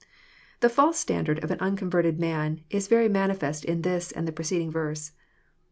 The false standard of an unconverted man is very manifest in this and the preceding verse.